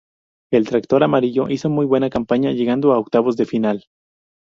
El "tractor amarillo" hizo muy buena campaña llegando a octavos de final.